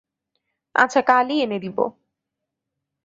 আচ্ছা কালই এনে দেব।